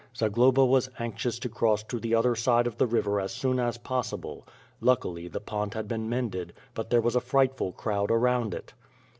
Zagloba was anxious to cross to the other side of the river as soon as possible. Luckily the pont had been mended, but there was a frightful crowd around it.